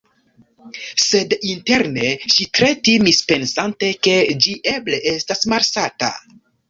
Sed interne ŝi tre timis pensante ke ĝi eble estas malsata.